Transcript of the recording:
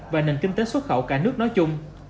và nền kinh tế xuất khẩu cả nước nói chung